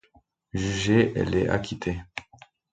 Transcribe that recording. Jugée, elle est acquittée.